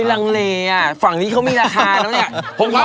แป๊บเดี๋ยวครับคุณก็อบครับ